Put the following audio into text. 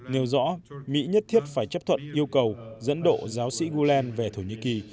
nêu rõ mỹ nhất thiết phải chấp thuận yêu cầu dẫn độ giáo sĩ gueland về thổ nhĩ kỳ